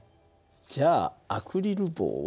じゃあアクリル棒は。